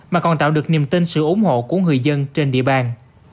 mà còn tạo được niềm tin sự ủng hộ của người dân trên địa bàn